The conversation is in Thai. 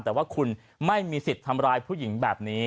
แต่ว่าคุณไม่มีสิทธิ์ทำร้ายผู้หญิงแบบนี้